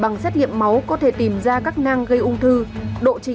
trong đó thì những lấy máu lấy bộ máu để tìm các năng ung thư của bệnh viện